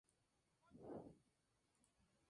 De ella sacaron mucho provecho nuestros antepasados.